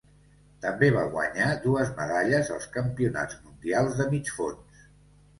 També va guanyar dues medalles als Campionats mundials de Mig fons.